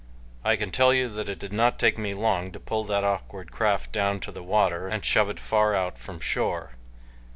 I can tell you that it did not take me long to pull that awkward craft down to the water and shove it far out from shore.